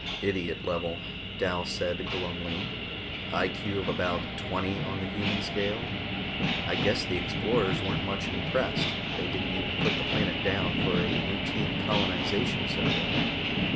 "Idiot level," Dal said glumly. "I.Q. of about 20 on the human scale. I guess the explorers weren't much impressed; they didn't even put the planet down for a routine colonization survey."